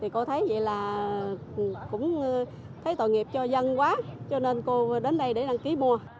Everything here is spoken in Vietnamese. cô thấy vậy là cũng thấy tội nghiệp cho dân quá cho nên cô đến đây để đăng ký mua